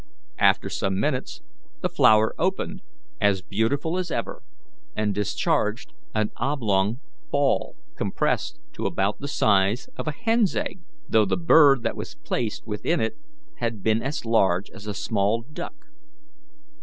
After some minutes the flower opened, as beautiful as ever, and discharged an oblong ball compressed to about the size of a hen's egg, though the bird that was placed within it had been as large as a small duck.